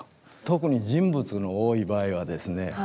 特に人物の多い場合はですね